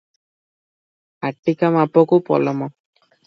ଆଟିକାମାପକୁ ପଲମ ।